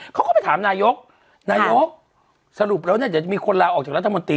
เขาก็ไปถามนายกนายกสรุปแล้วเนี่ยเดี๋ยวจะมีคนลาออกจากรัฐมนตรี